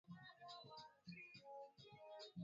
Ngombe wanaweza kuathiriwa na ugonjwa wa homa ya bonde la ufa